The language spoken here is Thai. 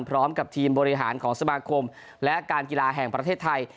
พร้อมกับทีมบริหารของสมาคมและการกีฬาแห่งประเทศไทย